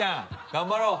頑張ろう。